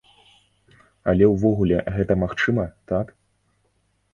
Але ўвогуле гэта магчыма, так?